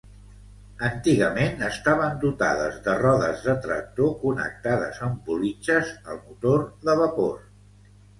Antigament estaven dotades de rodes de tractor connectades amb politges al motor de vapor.